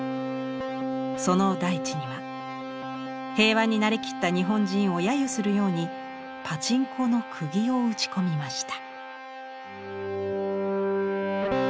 その大地には平和に慣れきった日本人を揶揄するようにパチンコの釘を打ち込みました。